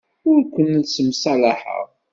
Ur ken-ssemṣalaḥeɣ.